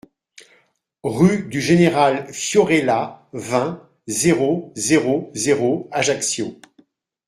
Rue du Général Fiorella, vingt, zéro zéro zéro Ajaccio